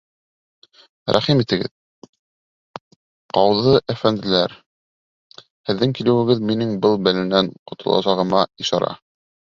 — Рәхим итегеҙ, ҡауҙы әфәнделәр! һеҙҙең килеүегеҙ минең был бәләнән ҡотоласағыма ишара.